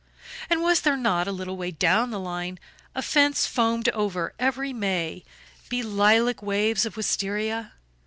And was there not, a little way down the line, a fence foamed over every May be lilac waves of wistaria?